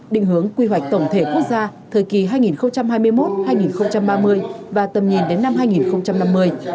định hướng quy hoạch tổng thể quốc gia thời kỳ hai nghìn hai mươi một hai nghìn ba mươi và tầm nhìn đến năm hai nghìn năm mươi